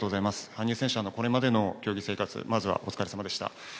羽生選手、これまでの競技生活、まずはお疲れさまでした。